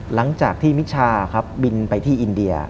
หลังจากที่มิชชาครับบินไปที่อินเดีย